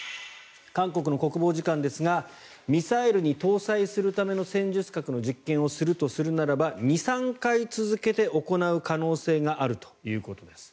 韓国の国防次官ですがミサイルに搭載するための戦術核の実験をするとするならば２３回続けて行う可能性があるということです。